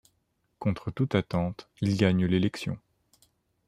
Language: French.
Contre toute attente, il gagne l'élection.